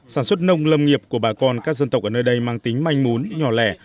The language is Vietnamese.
sản xuất nông lâm nghiệp của bà con các dân tộc ở nơi đây mang tính manh mún nhỏ lẻ